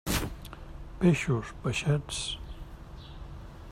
Peixos, peixets!